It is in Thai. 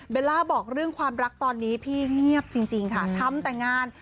ล่าบอกเรื่องความรักตอนนี้พี่เงียบจริงค่ะทำแต่งาน